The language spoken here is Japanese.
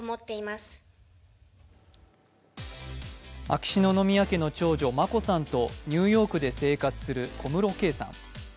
秋篠宮家の長女、眞子さんとニューヨークで生活する小室圭さん。